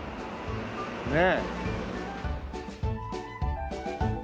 ねえ。